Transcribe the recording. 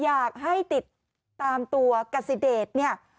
อยากให้ติดตามตัวกัสซิเดชเนี่ย